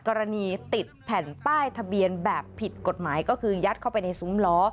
ติดแผ่นป้ายทะเบียนแบบผิดกฎหมายก็คือยัดเข้าไปในซุ้มล้อ